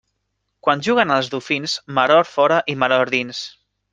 Quan juguen els dofins, maror fora i maror dins.